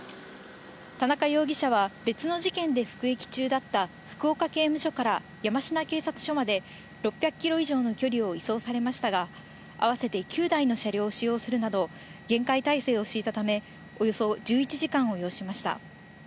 田中容疑者は、別の事件で服役中だった福岡刑務所から山科警察署まで６００キロ以上の距離を移送されましたが、合わせて９台の車両を使用するなど、厳戒態勢を敷いたため、およそ１１時間を要しました。